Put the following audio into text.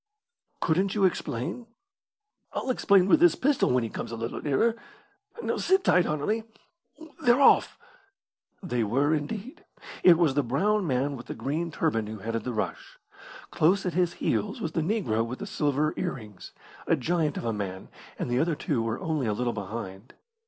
"Couldn't you explain?" "I'll explain with this pistol when he comes a little nearer. Now sit tight, Anerley. They're off!" They were indeed. It was the brown man with the green turban who headed the rush. Close at his heels was the negro with the silver ear rings a giant of a man, and the other two were only a little behind.